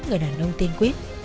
người đàn ông tên quyết